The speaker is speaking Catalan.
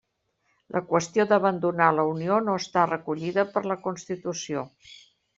La qüestió d'abandonar la Unió no està recollida per la Constitució.